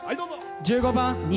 １５番「虹」。